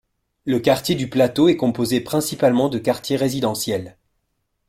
Le quartier du Plateau est composé principalement de quartiers résidentiels.